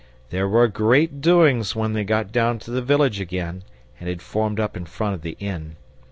There were great doings when they got down to the village again, and had formed up in front of the inn.